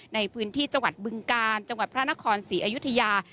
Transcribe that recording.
ในพื้นที่จังหวัดบึงกาลจังหวัดพระนครศรีอยุธยา